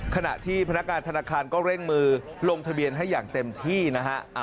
ขณะที่พนักงานธนาคารก็เร่งมือลงทะเบียนให้อย่างเต็มที่นะฮะ